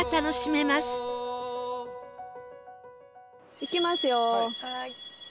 いきますよ！